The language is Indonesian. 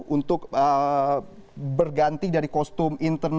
untuk berganti dari kostum